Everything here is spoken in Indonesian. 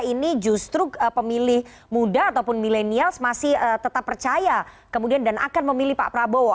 ini justru pemilih muda ataupun milenials masih tetap percaya kemudian dan akan memilih pak prabowo